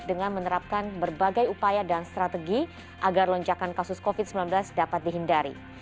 dengan menerapkan berbagai upaya dan strategi agar lonjakan kasus covid sembilan belas dapat dihindari